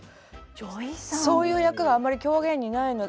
そういう役があんまり狂言にないので。